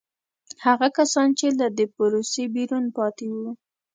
هغه کسان چې له دې پروسې بیرون پاتې وو.